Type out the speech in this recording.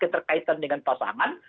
keterkaitan dengan pasangan